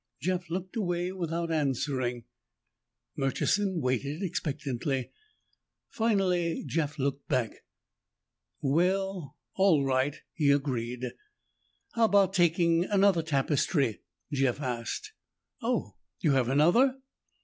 Jeff looked away without answering. Murchison waited expectantly. Finally Jeff looked back. "Well, all right," he agreed. "How about taking another tapestry?" Jeff asked. "Oh, you have another?"